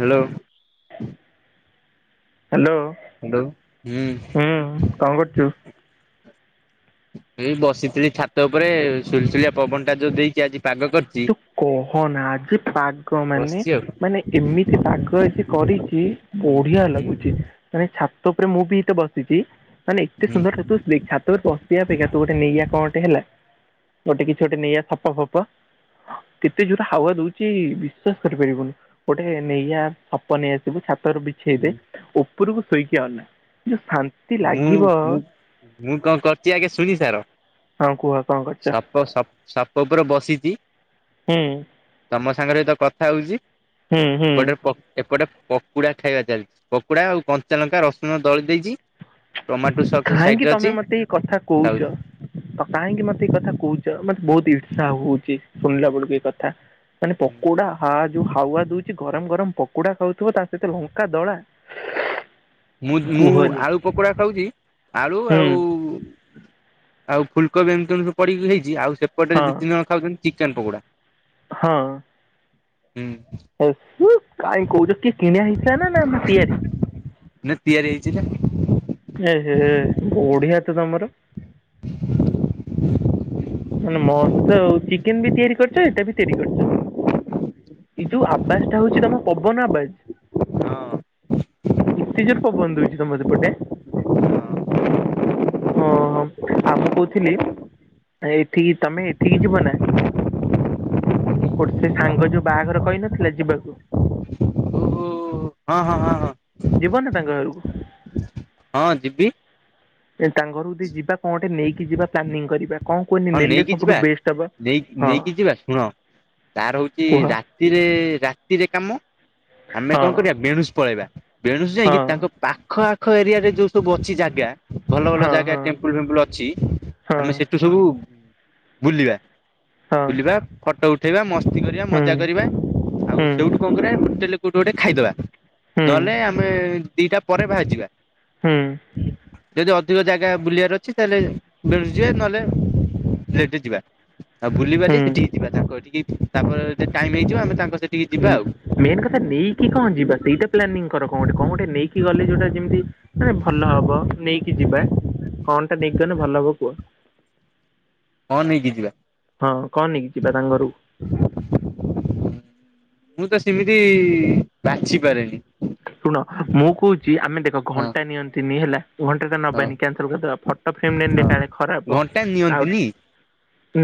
Hello. Hello. Hello ହୁଁ କ'ଣ କରୁଛୁ [unintelligible] ଏଇ ବସିଥିଲି ଛାତ ଉପରେ ସୁଲସୁଲିଆ ପବନ ଟା ଯୋଉ ଦେଇଛି ଆଜି ପାଗ କରି ତୁ କହନା ଯେ ପାଗ ମାନେ ବସିଛି ଆଉ। ମାନେ ଏମିତି ପାଗ ଯେ କରିଛି ହୁଁ। ବଢି଼ଆ ଲାଗୁଛି ମାନେ ଛାତ ଉପରେ ମୁଁ ବି ଏତେ ବସିଛି। ମାନେ ଏତେ ହୁଁ ସୁନ୍ଦର ତୁ ଦେଖା ତ ବସିବା ଅପେକ୍ଷା ତୁ ଗୋଟେ ନେଇଆ କଣଟେ ହେଲା ଗୋଟେ କିଛି ଗୋଟେ ନେଇଆ ସଫା ଫପା। କେତେ ଜୋରରେ ହାୱା ଦଉଛି ବିଶ୍ଵାସ କରିପାରିବୁନି। ଗୋଟେ ନେଇଆ ଛପ ନେଇଆସିବୁ ଛାତରୁ ବି ହୁଁ ବିଛେଇଦେ ଉପରକୁ ଶୋଇକି ଆନା ଯୋଉ ଶାନ୍ତି ମୁଁ ଲାଗିବ, ମୁଁ ମୁଁ କଣ କରୁଛି ଆଗେ ଶୁଣି ସାର। ହଁ କୁହ କଣ କରୁଛ? ସା [unintelligible] ସାପ ଉପରେ ବସିଛି। ହୁଁ। ତମ ସାଙ୍ଗରେ ଏ ତ କଥା ହଉଛି, ହୁଁ ହୁଁ ଏପଟେ ଏପଟେ ପକୁଡ଼ା ଖାଇବା ଚାଲିଛି। ପକୁଡ଼ା ଆଉ କଞ୍ଚାଲଙ୍କା ରସୁଣ ଦଳି ଦେଇଛି। ଟମାଟୋ ସକ୍ସ ସାଇଡ କାହିଁକି ରେ ଅଛି ତମେ ମତେ ଏଇ କଥା ଖାଉଛି। କହୁଛ? ତ କାହିଁକି ମତେ ଏଇ କଥା କହୁଛ? ମତେ ବହୁତ ଇର୍ଷା ହଉଛି ଶୁଣିଲା ବେଳକୁ ଏଇ କଥା। ମାନେ ପକୋଡ଼ା। ହ ଯୋଉ ହାୱା ଦଉଛି ଗରମ ଗରମ ପକୋଡା ଖାଉଥିବ ତା ସହିତ ଲଙ୍କା ଦଳା। ମୁଁ ମୁଁ କୁହନି ଆଳୁ ପକୋଡ଼ା ଖାଉଛି ଆଳୁ ହୁଁ ଆଉ ଆଉ ଫୁଲ୍ କୋବି ଏମତି ତେଣୁ ସବୁ ପଡିକି ହେଇଛି ଆଉ ସେ ସେପଟରେ ହଁ ଦି ତିନି ଜଣ ଖାଉଛନ୍ତି ଚିକେନ ପକୋଡ଼ା ହୁଁ। [unintelligible] କାଇଁ କହୁଚୁ କିଏ କିଣା ହେଇଥିଲା ନା ନା ତିଆରି? ନା ତିଆରି ହେଇଛି ନା। ଏହେ ବଢି଼ଆ ତ ତମର। [unintelligible] ମାନେ ମସ୍ତ ଆଉ ଚିକେନ ବି ତିଆରି କରିଛ ଏଇଟା ବି ତିଆରି କରିଛ। ଏଇ ଯୋଉ ଆବାଜ୍ ଟା ହେଉଛି ତମ ପବନ ଆବାଜ୍? ଇତେ ଜୋର୍ ପବନ୍ ଦଉଛି ତମୋ ସେପଟେ। ଓ ଆଉ ମୁଁ କହୁଥିଲି ଏଠିକି ତମେ ଏଠିକି ଯିବ ନା? ଗୋଟେ ସେ ସାଙ୍ଗ ଯୋଉ ବାହାଘର କହିନଥିଲା ଯିବାକୁ। ଓହୋ ହଁ ହଁ ହଁ ହଁ। ଯିବ ନା ତାଙ୍କ ଘରକୁ? ହଁ ଯିବି। ତାଙ୍କ ଘରକୁ ଯଦି ଯିବା କଣଟେ ନେଇକି ଯିବା ପ୍ଲାନିଂ କରିବା। କଣ କୁହନି ହଁ ନେଲେ ନେଇକି ସବୁଠୁ ଯିବା ବେଷ୍ଟ ହବ ନେଇି ହଁ ନେଇକି ଯିବା ଶୁଣ ତାର ହଉଛି କୁହ ରାତି ରାତିରେ ରାତିରେ କାମ ଆମେ ହଁ କଣ କରିବା ବେଣୁସ ପଳେଇବା। ବେଣୁସୁ ହଁ ହଁ ଯାଇକି ତାଙ୍କ ପାଖ ଆଖ ଏରିଆ ରେ ଯୋଉ ସବୁ ଅଛି ଜାଗା ଭଲ ଭଲ ହଁ ଜାଗା ଟେମ୍ପଲ ଫେମ୍ପୁଲ ଅଛି ହଁ ଆମେ ସେଠୁ ସବୁ ବୁଲିବା ହଁ ବୁଲିବା ଫଟୋ ଉଠେଇବା ମସ୍ତି କରିବା ହୁଁ ମଜା କରିବା ଆଉ ହୁଁ ସେଉଠୁ କଣ କରିବା ହୋଟେଲ କୋଉଠି ଗୋଟେ ଖାଇଦବା ହୁଁ ନହେଲେ ଆମେ ଦିଟା ପରେ ବାହାରିଯିବା। ହୁଁ। ଯଦି ଅଧିକ ଜାଗା ବୁଲିବାର ଅଛି ତାହେଲେ ବେଣୁସ଼ ଯିବା ନହେଲେ ଲେଟରେ ଯିବା। ଆଉ ବୁଲିିବାଲି ସେଠିକି ଯିବା ତାଙ୍କ ଠିକି ତାପରେ ଟାଇମ ହେଇଯିବ ଆମେ ତାଙ୍କ ସେଠିକି ଯିବା ଆଉ ମେନ୍ କଥା ନେଇକି କଣ ଯିବା ସେଇଟା ପ୍ଲାନିଂ କର କଣଟେ କଣ ଗଟେ ନେଇକି ଗଲେ ଯୋଉଟା ଯେମିତି ନା ଭଲ ହବ ନେଇକି ଯିବା କଣ ଟା ନେଇଗଲେ ଭଲ ହବ କୁହ। କଣ ନେଇକି ଯିବା? ହଁ କଣ ନେଇକି ଯିବା ତାଙ୍କ ଘରକୁ ମୁଁ ତ ସେମିତି ବାଛି ପାରେନି। ଶୁଣ ମୁଁ କହୁଛି ଆମେ ଦେଖ ହଁ ଘଣ୍ଟା ନିଅନ୍ତିନି ହେଲା ଘଣ୍ଟା ଟା ହଁ ନବାନି କ୍ୟାନସଲ କରିଦବା ଫଟୋ ଫ୍ରେମ ନେଲେ ହଁ। କାଳେ ଖରାପ ଘଣ୍ଟା ଆଉ ନିଅନ୍ତିନି।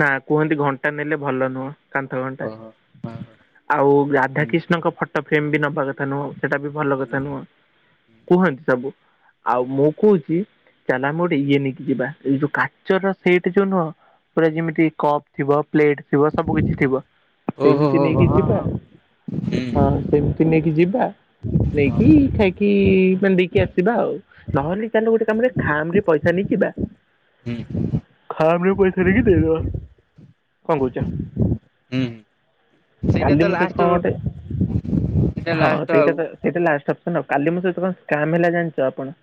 ନା କୁହନ୍ତି ଘଣ୍ଟା ନେଲେ ଭଲ ନୁହଁ କାନ୍ଥ ଘଣ୍ଟା। ଓହୋ ହଁ ହଁ ଆଉ ରାଧା ହୁଁ କିଷ୍ଣଙ୍କ ଫଟୋ ଫ୍ରେମ ବି ନବା କଥା ନୁହଁ ସେଇଟା ବି ଭଲ କଥା ହୁଁ ନୁହଁ କୁହନ୍ତି ସବୁ। ଆଉ ମୁଁ କହୁଛି ଚାଲ ଆମେ ଗୋଟେ ଇଏ ନେଇକି ଯିବା ଏଇ ଯୋଉ କାଚର ସେଇଟ ଯୋଉ ନୁହଁ ପୁରା ଯେମିତି କପ୍ ଥିବ ପ୍ଲେଟ ଥିବ ସବୁ କିଛି ଥିବ ଓହୋ ସେମିତି ହୋ ହୋ ନେଇକି ହଁ ଯିବା ହଁ। ହଁ ସେମିତି ନେଇକି ଯିବା। ହଁ। ନେଇକି ଖାଇକି ମାନେ ଦେଇକି ଆସିବା ଆଉ। ନହେଲେ ଚାଲେ ଗୋଟେ କାମ କରିବା ଖାମ୍ ପଇସା ନେଇ ଯିବା? ହୁଁ ଖାମ୍‌ରେପଇସା ନେଇ ଦେଇଦବା। କଣ କହୁଛ? ହୁଁ ସେଇଟା ତ କାଲି ମୋ ସହିତ ଲାଷ୍ଟ କଣ ଗଟେ ସେଇଟା ହଁ ଲାଷ୍ଟ ଆଉ ସେଇଟା ତ ସେଇଟା ଲାଷ୍ଟ ଅପସନ ଆଉ। କାଲି ମୋ ସହିତ କଣ ସ୍କାମ୍ ହେଲା ଜାଣିଛ ଆପଣ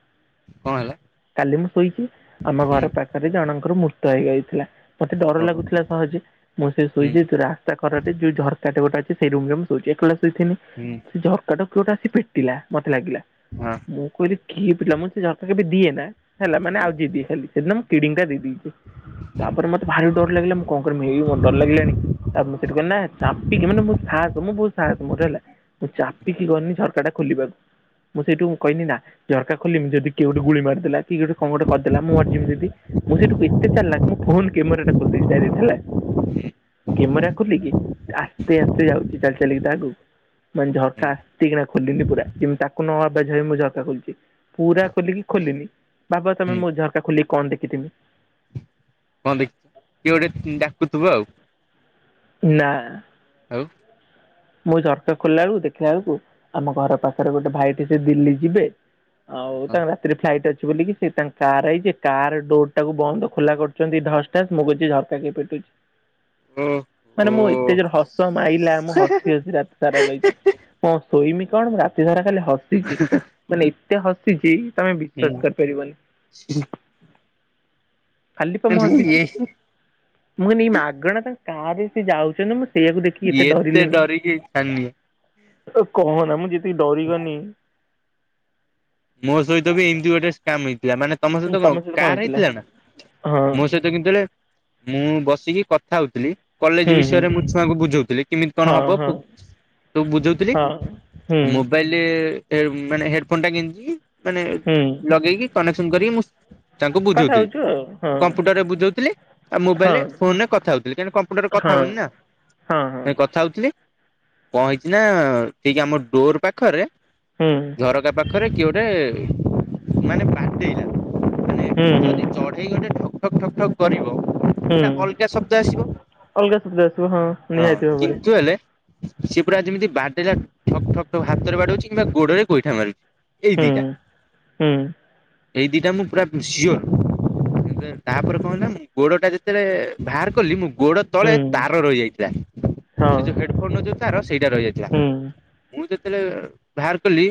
କଣ ହେଲା? କାଲି ମୁଁ ଶୋଇଛି। ଆମ ହୁଁ। ଘର ପାଖରେ ଜଣଙ୍କର ମୃତ ହେଇଯାଇଥିଲା। ମତେ ଡର ଓହୋ। ଲାଗୁଥିଲା ସହଜେ। ମୁଁ ସେ ହୁଁ ଶୋଇଯ ତୁରା ତାକର ଯେଉ ଝରକାଟା ଗୋଟ ଅଛି ସେଇ ରୁମରେ ମୁଁ ଶୋଇଛି ଏକଲା ଶୋଇଥିଲି ହୁଁ। ଝରକାଟା କିଏ ଗୋଟେ ଆସି ପିଟିଲା ମତେ ଲାଗିଲା। ହଁ। ମୁଁ କହିଲି କିଏ ପିଲା ମୁ ସେ ଝରକା କେବେ ଦିଏ ନା ହେଲା ମାନେ ହୁଁ ଆଉଯେଇଦିଏ ଖାଲି ସେଦିନ ଖିଡିକିଟା ଦେଇ ଦେଇଛି। ହୁଁ ତାପରେ ହୁଁ ମତେ ଭାରି ଡର ଲାଗିଲା ମୁଁ କଣ କରମି ଏଇ ମୋତେ ଡର ଲାଗିଲାଣି ଆଉ ସେଠି ଗଲି ନା ଚାପିକି ମାନେ ମୁଁ ସାହସ ମୁଁ ବହୁତ ସାହସ ମୋର ହେଲା ମୁଁ ଚାପିକି ଗନି ଝରକାଟା ଖୋଲିବାକୁ ମୁଁ ସେଇଠୁ କହିଲି ନା ଝରକା ଖୋଲିମି ଯଦି କିଏ ଗୋଟେ ଗୁଳି ମାରିଦେଲା। କିଏ ଗୋଟେ କଣ ଗୋଟେକରିଦେଲା ମୁଁ ମରିଜିବି ଯଦି। ମୁଁ ସେଇଠୁ ଏତେ ଚାଲାକ ମୁଁ ଫୋନ କ୍ୟାମେରାଟା ଖୋଲିଦେଲି ଡାଇରେକ୍ଟ ହେଲା କ୍ଯାମେରାକୁ ଖୋଲିକି ଆସ୍ତେ ଆସ୍ତେ ଯାଉଛି ଚାଲି ଚାଲିକି ଯାଉଛି ତା ଆଗକୁ ମାନେ ଝରକା ଆସ୍ତେ କିନା ଖୋଲିଲି ପୁରା ଯେମିତି ତାକୁ ନ ଆବାଜ ହୁଏ ମୁଁ ଝରକା ଖୋଲିଛି ପୁରା ହୁଁ ଖୋଲିକି ଖୋଲିଲି। ଭାବ ତମେ ହୁଁ ମୋ ଝରକା ଖୋଲି କଣ ଦେଖିଥିବି। କଣ [inaudible] କିଏ ଗୋଟେ ଡାକୁଥିବ ଆଉ। ନା। ଆଉ। ମୁଁ ଝରକା ଖୋଲିଲା ବେଳକୁ ଦେଖିଲା ବେଳକୁ ଆମ ଘର ପାଖରେ ଗୋଟେ ଭାଇଟେ ସେ ଦିଲ୍ଲୀ ଯିବେ ଆଉ ତାଙ୍କର ରାତିରେ ଫ୍ଲାଇଟ୍ ଅଛି ବୋଲିକି ସେ ତାଙ୍କ କାର ଆଇଛି କାର ଡୋରଟାକୁ ବନ୍ଦ ଖୋଲା କରୁଛନ୍ତି ଦଶଟା ମୁଁ କଛି ଝରକା କିଏ ପିଟୁଛି। [unintelligible] ମାନେ ମୁଁ ଏତେ ଯୋର ହସ ମାଇଲା ମୁଁ ହସ୍ ହସି ହସି ରାତି ସାରା ରହିଛି। ହଁ ଶୋଇମି କଣ ରାତି ସାରା ଖାଲି ହସିଚି। ମାନେ ଏତେ ହସିଛି ତମେ ହୁଁ ବିଶ୍ଵାସ କରିପାରିବନି। ଖାଲି କଣ ମୁଁ ହସିଛି। ମାନେ ମୁଁ କହିଲି ଏଇ ମାଗଣା ତାଙ୍କ କାଁରେ ସେ ଯାଉଛନ୍ତି ମୁଁ ସେଇଆକୁ ଦେଖିକି କେତେ ଏତେ ଡରିଲି। ଡରିକି ଛାନିଆ ତୁ କହନା ମୁଁ ଯେତିକି ଡରିଗନି। ମୋ ସହିତ ବି ଏମିତି ଗୋଟେ ସ୍କାମ୍ ହେଇଥିଲା ମାନେ ତମ ସହିତ କଣ କାର ହେଇଥିଲା ନା ହଁ ମୋ ସହିତ [unintelligible] ମୁଁ ବସିକି କଥା ହଉଥିଲି। କଲେଜ ହୁଁ ହୁଁ ବିଷୟରେ ମୁଁ ଛୁଆଙ୍କୁ ବୁଝଉଥିଲି କେମିତି କଣ ହଁ ହବ ହଁ ସବୁ ବୁଝଉଥିଲି ହଁ ହୁଁ ମୋ ମୋବାଇଲ ମାନେ ହେଡଫୋନ ଟା ଗେଞ୍ଜିକି ମାନେ ହୁଁ ଲଗେଇକି କନେକ୍ସନ କରିକି ମୁଁ ତାଙ୍କୁ କଥା ବୁଝଉଥିଲି। ହଉଛୁ ଆଉ କମ୍ପୁଟରରେ ବୁଝଉଥିଲି ଆଉ ହଁ ମୋବାଇଲରେ ଫୋନରେ କଥା ହଉଥିଲି କାହିଁକି ନା କମ୍ପୁଟରରେ ହଁ କଥା ହଁ। ହବନି ନା। ହଁ ହଁ [unintelligible] କଥା ହଉଥିଲି କଣ ହେଇଚି ନା ଟିକେ ଆମ ଡୋର ପାଖରେ ହୁଁ ଝରକା ପାଖ ରେ କିଏ ଗୋଟେ ମାନେ ପାଟେଇଲା ମାନେ ହୁଁ ହୁଁ ଯଦି ଚଢେଇ ଗୋଟେ ଠକ୍ ଠକ୍ ଠକ୍ କରିବ। ହୁଁ। ଏଟା ଅଲଗା ଶବ୍ଦ ଆସିବ ଅଲଗା ଶବ୍ଦ ଆସିବ ହଁ ନିହାତି ଭାବରେ କିନ୍ତୁ ହେଲେ ସେଏ ପୁରା ଯେମିତି ବାଡେଇଲା ଠକ୍ ଠକ୍ ହାତରେ ବାଡଉଛି କିମ୍ବା ଗୋଡରେ ଗୋଇଠା ମାରୁ ଏଇ ହୁଁ। ଦିଇଟା ହୁଁ ଏଇ ଦିଟା ମୁଁ ପୁରା ସିଓର। ତାପରେ କଣ ହେଲା ମୁଁ ଗୋଡଟା ଯେତେବେଳେ ବାହାର କଲି ମୁଁ ଗୋଡ ତଳେ ହୁଁ ତାର ରହିଯାଇଥିଲା ହଁ ସେ ଯୋଉ ହେଡଫୋନ ନ ଯୋଉ ତାର ସେଇଟା ରହିଯାଇଥିଲା। ହୁଁ ମୁଁ ଯେତେବେଳେ ବାହାର କଲି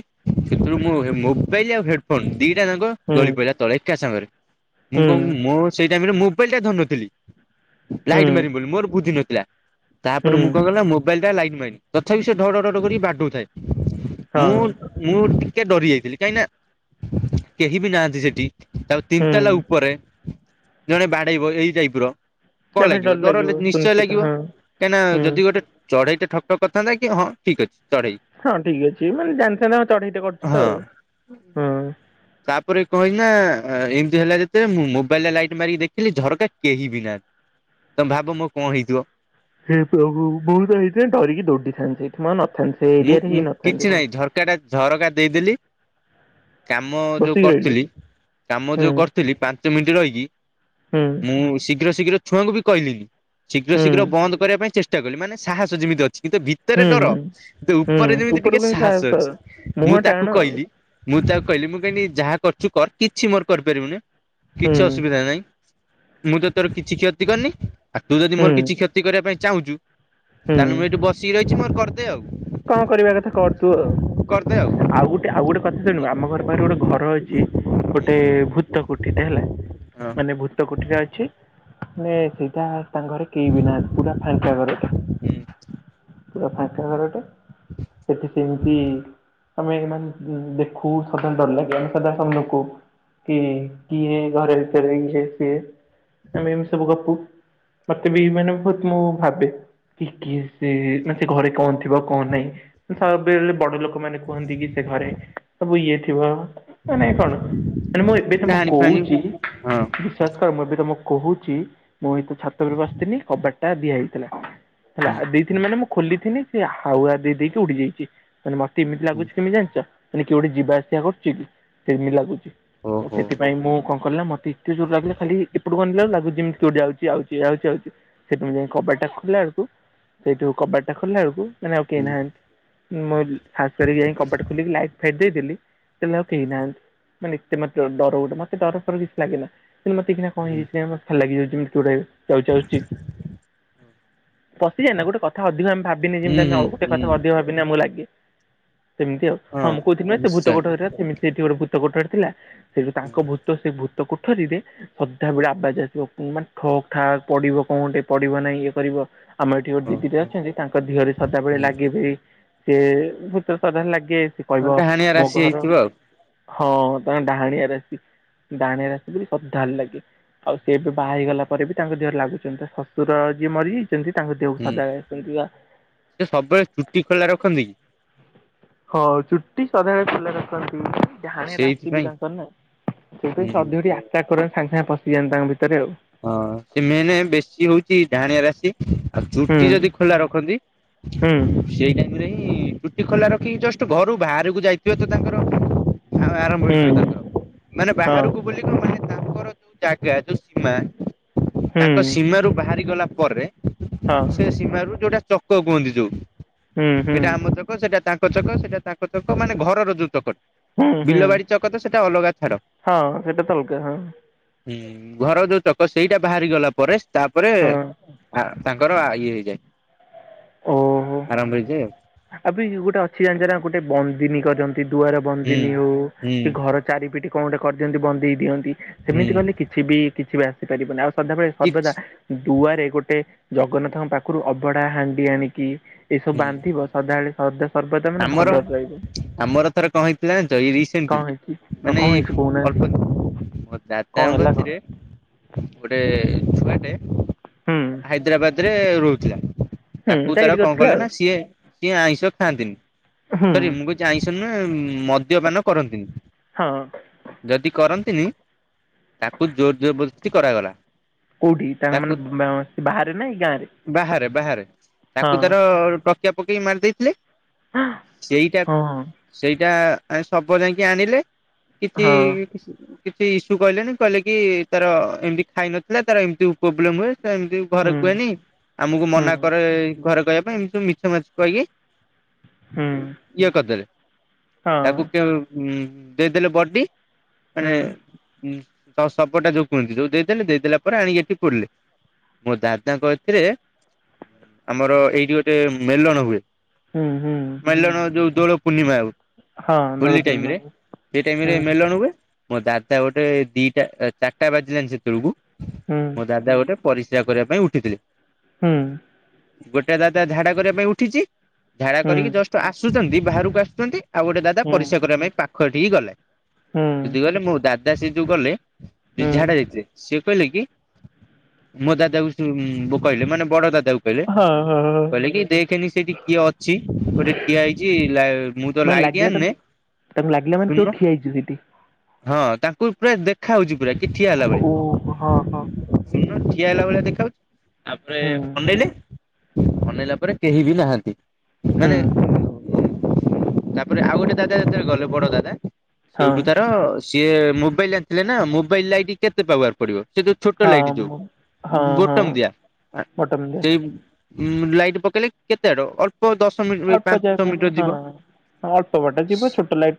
ମୋବାଇଲ ଆଉ ହେଡଫୋନ ଦିଟା ଯାକ ହୁଁ ଗଳି ପଡିଲା ତଳେ ଏକା ସାଙ୍ଗରେ, ମୁଁ ହୁଁ କଣ ମୁଁ ସେଇ ଟାଇମରେ ମୋବାଇଲ ଟା ଧରିନଥିଲି ହୁଁ ଲାଇଟ ମାରିବି ବୋଲି ମୋର ବୁଦ୍ଧି ନଥିଲା। ତାପରେ ମୁଁ ହୁଁ। କଣ କଲିନା ମୋବାଇଲ ଟା ଲାଇନ୍ ମାଇନ୍ ତଥାପି ସେ ଢଢଢ କରି ବାଡଉଥାଏ। ହଁ ମୁଁ ମୁଁ ଟିକେ ଡରି ଯାଇଥିଲି କାହିଁକି ନା କେହି ବି ନାହାନ୍ତି ସେଠି। ତାଉ ହୁଁ ତିନିତାଲା ଉପରେ ଜଣେ ବାଡେଇବ ଏଇ ଟାଇପ ର ତା କଣ ପାଇଁ ଲାଗିବ ଡର ନିଶ୍ଚୟ ସୁନିଶ୍ଚିତ ଲାଗିବ ହଁ କାହିଁକି ନା ହୁଁ ଯଦି ଗୋଟେ ଚଢ଼େଇ ଟେ ଠକ୍ ଠକ କରିଥାନ୍ତ କି ହଁ ଠିକ ଅଛି ଚଢେଇ ହଁ ଠିକ୍ ଅଛି ମାନେ ଜାଣିଥାନ୍ତ ଚଢେଇଟେ କରୁଛି ତ ଆଉ ହଁ ହଁ। ତାପରେ କଣ ହେଇଚିନା ଏମିତି ହେଲା ଯେତେବେଳେ ମୁଁ ମୋବାଇଲରେ ଲାଇଟ୍ ମାରିକି ଦେଖିଲି ଝରକା କେହି ବି ନାହାନ୍ତି। ତମେ ଭାବ ମୋ କଣ ହେଇଥିବ? ହେ ପ୍ରଭୁ ମୁଁ ତ ହେଇଥିଲେ ଡରିକି ଦୌଡିଥାନ୍ତି। ମୁଁ ନଥାନ୍ତି ସେ ଏରିଆରେ ହେଇ ନଥାନ୍ତି ମୁଁ। ଏକାଟା ଝରକା ଦେଇଦେଲି କାମ ଯୋଉ ବସିକି ରହିଲୁ କରିଥିଲି କାମ ହୁଁ ଯୋଉ କରିଥିଲି ପାଞ୍ଚ ମିନିଟ ରହିକି ହୁଁ। ମୁଁ ଶୀଘ୍ର ଶୀଘ୍ର ଛୁଆଙ୍କୁ ବି କହିଲି ଶୀଘ୍ର ହୁଁ ଶୀଘ୍ର ବନ୍ଦ କରିବା ପାଇଁ ଚେଷ୍ଟା ଚେଷ୍ଟା କଲି। ମାନେ ସାହସ ଯେମିତି ଅଛି କିନ୍ତୁ ଭି ହୁଁ। ତ ହୁଁ ଉପରେ ଯେମିତି ଟିକେ ଉପରକୁ ହିଁ ସାହସ ଅଛି ମୁହଁ ମୁଁ ଟାଣ ତାକୁ ଆଉ କହିଲି? ମୁଁ ତାହାକୁ କହିଲି ମୁଁ କହିନି ଯାହା କରୁଛୁ କର କିଛି ମୋର କରିପାରିବୁନି। ହୁଁ କିଛି ଅସୁବିଧା ନାହିଁ ମୁଁ ତ ତୋର କିଛି କ୍ଷତି କରିନି ଆଉ ତୁ ଯଦି ମୋର ହୁଁ। କିଛି କ୍ଷତି କ୍ଷତି କରିବା ପାଇଁ ଚାହୁଁଛୁ ହୁଁ ତାହେଲେ ମୁଁ ଏଇଠି ବସିକି ରହିଛି ମୋର କରିଦେ ଆଉ। କଣ କରିବା କଥା କର ତୁ ଆଉ? ଆଉ ଗୋଟେ ଆଉ ଗୋଟେ କଥା ଶୁଣିବୁ, ଆମ ଘର ପାଖରେ ଗୋଟେ ଘର ଅଛି। ଗୋଟେ ଭୂତ କୋଠୀ ଟେ ହେଲା। ହଁ ମାନେ ଭୂତ କୋଠୀଟା ଅଛି। ମାନେ ସେଇଟା ତାଙ୍କ ଘରେ କେହି ବି ନାହାନ୍ତି। ପୁରା ଫାଙ୍କା ଘରଟା। ପୁରା ଫାଙ୍କା ଘର ଟା ସେଠି ସେମିତି ଆମେ ଏମାନେ ଦେଖୁ ସଦାବେଳେ ଡର ଲାଗେ। ଆମେ ସଦାବେଳେ ସମସ୍ତଙ୍କୁ କହୁ କି କିଏ ଘରେ ଭିତରେ ଇଏ, ସିଏ ଆମେ ଏମିତି ସବୁ ଗପୁ। ମତେ ବି ମାନେ ବହୁତ ମୁଁ ଭାବେ କି କିଏ ସେ ମାନେ ସେ ଘରେ କଣ ଥିବ? କଣ ନାହିଁ। ବେଳେବେଳେ ବଡ ଲୋକ ମାନେ କୁହନ୍ତି କି ସେ ଘରେ ସବୁ ଇଏ ଥିବ ନାଇଁ କଣ ତେଣୁ ମୁଁ ଏବେ ତମକୁ ଡାହାଣୀ ଫାହାଣୀ କହୁଛି ହଁ ବିଶ୍ୱାସ କର ମୁଁ ଏ ବି ତମକୁ କହୁଛି ମୁଁ ଏ ତ ଛାତ ଉପରେ ବସିଥିଲି କବାଟଟା ଦିଆ ହୋଇଥିଲା। ହେଲା ହୁଁ ଦେଇଥିନି ମାନେ ମୁଁ ଖୋଲିଥିନି ସେ ହାୱା ଦେଇ ଦେଇକି ଉଡି ଯାଇଛି। ମାନେ ମତେ ଏମିତି ହୁଁ ଲାଗୁଛି କେମତି ଜାଣିଛ? ମାନେ କିଏ ଗୋଟିଏ ଯିବା ଆସିବା କରୁଛି ସେମିତି ଲାଗୁଛି। ଓହୋ ସେଥିପାଇଁ ମୁଁ କଣ କଲା ମତେ ଏତେଜୋର ଲାଗିଲା ଖାଲି ସେପଟକୁ ଅନେଇଲା ବେଳକୁ ଲାଗୁଛିଯେମିତି କିଏ ଗୋଟେ ଯାଉଛି ଆଉଛି ଯାଉଛି ଆଉଛି। ସେଇଠୁ ମୁଁ ଯାଇ କବାଟା ଖୋଲିଲା ବେଳକୁ, ସେଇଠୁ କବାଟଟା ଖୋଲିଲା ବେଳକୁ ମାନେ ଆଉ କେହି ହୁଁ ନାହାନ୍ତି ମୁଁ ସାହସ କରିକି ଯାଇ କବାଟ ଟା ଖୋଲିକି ଲାଇଟ୍ ଫାଇଟ୍ ଦେଇଦେଲି। ସେଠି ଆଉ କେହି ନାହାନ୍ତି ମାନେ ଏତେ ମତେ ଡର ଗୋଟେ ମତେ ଡର ଫର କିଛି ଲାଗେ ନା କିନ୍ତୁ ମତେ ଏଇକିନା କଣ ହୁଁ ହେଇଯାଇ ମତେ ଭଲ ଲାଗି ଯାଉଛି କିଏ ଗୋଟେ ଯାଉଛି ଆସୁଛି। ପଶିଯାଏ ନା ଗୋଟେ କଥା ଅଧିକା ଆମେ ଭାବୁ। ହୁଁ ହୁଁ ହୁଁ ଭାବିନେ ଆମକୁ ଲାଗେ ସେମିତି ଆଉ ହଁ ମୁଁ କହୁଥିଲି ସେ ଭୂତ ଗୋଟେ ସେମ ସେଠି ଗୋଟେ ଭୁ ଭୂତ କୋଠରୀ ଥିଲା ସେଠି ତାଙ୍କ ଭୂତ ସେ ଭୂତ କୋଠରୀରେ ସଦାବେଳେ ଆବାଜ୍ ଆସିବ ମାନେ ଠକ୍ ଠାକ୍ ପଡିବ କୋଉଠି ପଡିବ ନାଇଁ ଇଏ କରିବ। ଆମ ଏଠି ଗୋଟେ ହଁ ହୁଁ ଦିଦିଟେ ଅଛନ୍ତି ତାଙ୍କ ଦେହ ରେ ସଦାବେଳେ ଲାଗିିବ। ସେ ଭୂତ ସଦାବେଳେ ଲାଗେ ସେ ହଁ କହିବ ଡାହାଣିଆ ମୋ ରାଶି ଘର। ହେଇଥିବ ଆଉ ହଁ ତାଙ୍କ ଡାହାଣୀଆ ରାସି ଡାହାଣିଆ ରାଶି ବୋଲି ସଦାବେଳେ ଲାଗେ। ଆଉ ସେ ଏବେ ବାହା ହେଇଗଲା ପରେ ବି ତାଙ୍କ ଦେହରେ ଲାଗୁଛନ୍ତି ଶଶୁର ଯିଏ ମରି ଛନ୍ତି ତାଙ୍କ ଦେହକୁ ହୁଁ ସଦାବେଳେ ସେ ସବୁବେଳେ ଚୁଟି ଖୋଲା ରଖନ୍ତି କି? ହଁ ଚୁଟି ସଧାବେଳେ ଖୋଲା ରଖନ୍ତି। ଡାହାଣୀ [unintelligible] ସେଇଥିପାଇଁ ସେଥିପାଇଁ ହୁଁ ସାଙ୍ଗେ ସାଙ୍ଗେ ପଶିଯାଆନ୍ତି ତାଙ୍କ ଭିତରେ ଆଉ। ହଁ ସେ ମେନ୍ ବେଶୀ ହେଉଛି ଡାହାଣୀଆ ରାଶି। ଆଉ ହୁଁ ଚୁଟି ଯଦି ଖୋଲା ରଖନ୍ତି। ହୁଁ ସେଇ ଟାଇମ୍ ରେ ହିଁ ଟୁଟି ଖୋଲା ରଖିକି ଜଷ୍ଟ ଘରୁ ବାହାରକୁ ଯାଇଥିବେ ତ ତାଙ୍କର। ହଁ ଆରମ୍ଭ ହେଇଯିବ ହୁଁ ତାଙ୍କର ମାନେ ବାହାରକୁ ହଁ ବୋଲି କଣ ମାନେ ତାଙ୍କର ଯୋଉ ଜାଗା ଯୋଉ। ସେ ତାଙ୍କ ହୁଁ ସୀମାରୁ ବାହାରି ଗଲା ପରେ ହଁ ସେ ସୀମାରୁ ଯୋଉଟା ଚକ କୁହନ୍ତି ଯୋଉ ହୁଁ ହୁଁ ଏଇଟା ଆମର ତ। ସେଟା ତାଙ୍କ ଚକ ସେଟା ତାଙ୍କ ଚକ ମାନେ ଘରର ଯୋଉ ଚକଟ ହୁଁ ହୁଁ ବିଲବାଡି ଚକ। କଥା ସେଟା ଅଲଗା ଛାଡ଼। ହଁ ସେଇଟା ତ ଅଲଗା ହଁ। ହୁଁ ଘର ଯୋଉ ଚକ ସେଇଟା ବାହାରି ଗଲା ପରେ ତାପରେ ହଁ ଆଉ ତାଙ୍କର ଇଏ ହେଇଯାଏ ଓହୋ ଆରମ୍ଭ ହେଇଯାଏ ଆଉ। ଆବେ ଇୟେ ଗୋଟେ ଅଛି ଜାଣିଛ ନା ଗୋଟେ ବନ୍ଦିନୀକ ଯ ଦୁଆରେ ହୁଁ। ବନ୍ଦିନୀ ହଉ ହୁଁ କି ଘର ଚାରିପିଟି କଣ ଗୋଟେ କରିଦିଅନ୍ତି ବନ୍ଦେଇ ଦିଅନ୍ତି ହୁଁ ସେମିତି କଲେ କିଛି ସିଏ ବି କିଛି ବି ଆସିପାରିବନି ଆଉ ସଧାବେଳେ ସର୍ବଦା କିଛି ଦୁଆରେ ଗୋଟେ ଜଗନ୍ନାଥଙ୍କ ପାଖରୁ ଅଭଢା ହାଣ୍ଡି ଆଣିକି ଏସବୁ ହୁଁ ବାନ୍ଧିବ। ସଦାବେଳେ ସଦା ସର୍ବଦା ମାନେ ଆମର ଭଲରେ ରହିବ ଆମର ଥରେ କଣ ହେଇଥିଲା ଜାଣିଛ ଇ ରିସେଣ୍ଟଲି? କଣ ହେଇଛି ହଁ ମାନେ କଣ ଏଇ ହେଇଛି କହୁନାହାନ୍ତି ଅଳ୍ପ [unintelligible] କଣ ହେଲା କଣ ଗୋଟେ ଛୁଆଟେ ହୁଁ ହାଇଦ୍ରାବାଦରେ ରହୁଥିଲା। ହୁଁ ତାକୁ ତାର ଚାକିରି କଣ କରିଥିଲା କଲେ ଆଉ ନା ସିଏ ସିଏ ଆଇଁଷ ଖାଆନ୍ତିନି। ହୁଁ ସରି ମୁଁ କଛି ଆଇସ ନୁହେଁ ମଦ୍ୟପାନ କରନ୍ତିନି। ହଁ ଯଦି କରନ୍ତିନି ତାକୁ ଜୋର ଜବରଦସସ୍ତି କରାଗଲା। କୋଉଠି ତାଙ୍କ ତାକୁ ମାନେ ମ୍ ବାହାରେ ନା ଏଇ ଗାଁ ରେ? ବାହାରେ ବାହାରେ ତାକୁ ତାର ଟକିଆ ପକେଇ ମାରି ଦେଇଥିଲେ। ଆଁ ସେଇଟା ସେଇଟା ଆ ସବ ଯାଇକି ଆଣିଲେ କିଛି ହଁ କିଛି କିଛି ଇସ୍ୟୁ କହିଲେନି କହିଲେ କି ତାର ଏମିତି ଖାଇନଥିଲା ତାର ଏମିତି ପ୍ରୋବ୍ଲେମ ହୁଏ ତ ଏମିତି ଘରେ ହୁଁ କୁହେନି ଆମକୁ ହୁଁ ମନା କରେ ଘରେ କହିବା ପାଇଁ ଏମତି ସବୁ ମିଛ ମାଛ କହିକି ହୁଁ ଇଏ କରିଦେଲେ ହଁ ତାକୁ କେ ଉଁ ଦେଇଦେଲେ ବଡି ମାନେ ହୁଁ ଉଁ ସ ସବଟା ଯୋଉ କୁହନ୍ତି ଯୋଉ ଦେଇଦେଲେ ଦେଇଦେଲା ପରେ ଆଣିକି ଏଠି ପୋଡ଼ିଲେ। ମୋ ଦାଦାଙ୍କ ଏଥିରେ ଆମର ଏଇଠି ଗୋଟେ ମେଲଣ ହୁଏ। ହୁଁ ହୁଁ ମେଲଣ ଯୋଉ ଦୋଳ ପୂର୍ଣ୍ଣିମା ଆଉ ହଁ ଦୋଳ ହୋଲି ପୂର୍ଣ୍ଣିମା ଟାଇମରେ, ସେଇ ଟାଇମ୍ ହୁଁ ରେ ମେଲଣ ହୁଏ। ମୋ ଦାଦା ଗୋଟେ ଦିଟା ଆ ଚାରିଟା ବାଜିଲାଣି ସେତେବେଳକୁ। ହୁଁ ମୋ ଦାଦା ଗୋଟେ ପରିସ୍ରା କରିବା ପାଇଁ ଉଠିଥିଲେ। ହୁଁ। ଗୋଟେ ଦାଦା ଝାଡା କରିବା ପାଇଁ ଉଠିଛି, ଝାଡା ହୁଁ କରିକି ଜଷ୍ଟ ଆସୁଛନ୍ତି ବାହାରକୁ ଆସୁଛନ୍ତି ଆଉ ଗୋଟେ ହୁଁ ଦାଦା ହୁଁ ପରୀସ୍ରା କରିବା ପାଇଁ ପାଖ ଏଠିକି ଗଲେ। ହୁଁ। ଯଦି ଗଲେ ମୋ ଦାଦା ସିଏ ଯୋଉ ଗଲେ, ଯିଏ ଝାଡା ଯାଇଥିଲେ ସିଏ କହିଲେ କି, ମୋ ଦାଦା କୁ [unintelligible] କହିଲେ ମାନେ ବଡ ଦାଦାକୁ କହିଲେ, ହଁ ହଁ ହଁ କହିଲେ କି ଦେଖେନି ସେଇଠି କିଏ ଅଛି? ଗୋଟେ ଠିଆ ହେଇଛି ଲା, ମୁଁ ତ ମାନେ ଲାଇଟ୍ ଲାଗିଲା ଆଣିନେ ତାଙ୍କୁ ତାଙ୍କୁ ଲାଗିଲା ମାନେ କିଏ ଶୂନ ଗୋଟେ ଠିଆ ହେଇଚି ସେଠି। ହଁ ତାଙ୍କୁ ପୁରା ଦେଖା ହଉଛି ପୁରା କିଏ ଠିଆ ହେଲା ଓ ଭଳିଆ। ହଁ ହଁ ଶୁଣୁନ ଠିଆ ହେଲା ଭଳିଆ ଦେଖାହଉଛି। ତାପରେ ହୁଁ ଅନେଇଲେ ଅନେଇଲା ପରେ କେହି ବି ନାହାନ୍ତି। ହୁଁ ମାନେ [unintelligible] ତାପରେ ଆଉ ଗୋଟେ ଦାଦା ଯେତେବେଳେ ଗଲେ, ବଡ ଦାଦା ହଁ ସେଠୁ ତା ତ ସିଏ ମୋବାଇଲ ଆଣିଥିଲେ ନା ମୋବାଇଲ ଲାଇଟି କେତେ ପାୱାର ପଡ଼ିଵ ସେ ଯୋଉ ଛୋଟ ହଁ ଲାଇଟ୍ ଯୋଉ ମୁଁ ହଁ ହଁ ବଟମ ଦିଆ, ଆ ବଟମୂଲ୍ୟ ସେଇ ଉଁ ଲାଇଟ୍ ପକେଇଲେ କେତେ ବାଟ ଅଳ୍ ଦଶ [unintelligible] ଅଳ୍ପ ଯାହା ପାଞ୍ଚ କହିଲେ ମିଟର ହଁ ଯିବ। ଅଳ୍ପ ବାଟ ଯିବ ଛୋଟ ଲାଇଟ୍